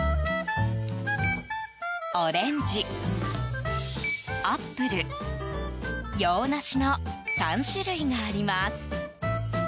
オレンジ、アップル、洋梨の３種類があります。